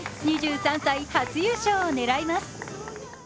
２３歳、初優勝を狙います。